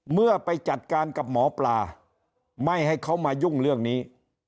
เมื่อไปจัดการกับหมอปลาไม่ให้เขามายุ่งเรื่องนี้